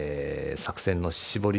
作戦の絞り